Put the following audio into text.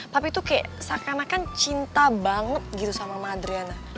papi tuh kayak seakan akan cinta banget gitu sama sama adriana